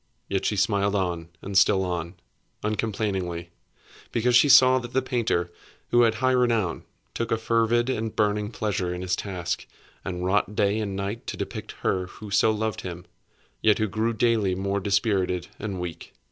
Yet she smiled on and still on, uncomplainingly, because she saw that the painter (who had high renown) took a fervid and burning pleasure in his task, and wrought day and night to depict her who so loved him, yet who grew daily more dispirited and weak.